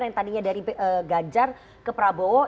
yang tadinya dari ganjar ke prabowo